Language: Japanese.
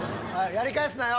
やり返すなよ